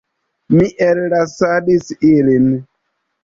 Mi ellasadis ilin.